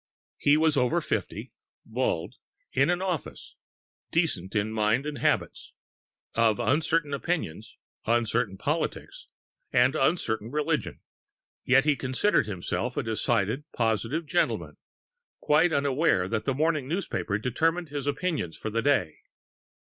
He was over fifty, bald, in an office, decent in mind and habits, of uncertain opinions, uncertain politics, and uncertain religion. Yet he considered himself a decided, positive gentleman, quite unaware that the morning newspaper determined his opinions for the day.